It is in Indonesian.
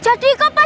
jadi kok pak